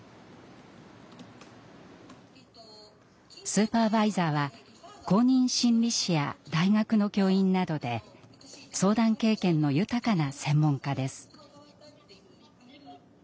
スーパーバイザーは公認心理師や大学の教員などで相談経験の豊かな専門家です。